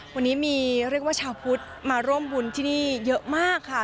วันนี้มีเรียกว่าชาวพุทธมาร่วมบุญที่นี่เยอะมากค่ะ